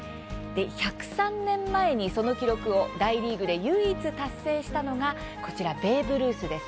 １０３年前に、その記録を大リーグで唯一達成したのがベーブ・ルースです。